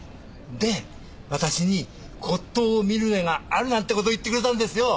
で私に骨董を見る目があるなんて事を言ってくれたんですよ。